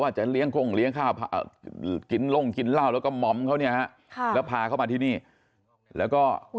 อาจจะเลี้ยงก้งเลี้ยงข้าว